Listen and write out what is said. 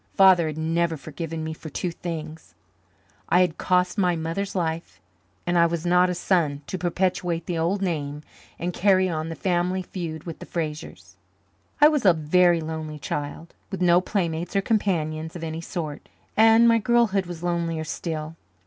Father had never forgiven me for two things. I had cost my mother's life and I was not a son to perpetuate the old name and carry on the family feud with the Frasers. I was a very lonely child, with no playmates or companions of any sort, and my girlhood was lonelier still.